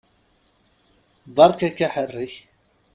Beṛka-k aḥerrek!